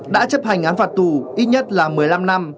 đã chấp hành án phạt tù ít nhất là một mươi năm năm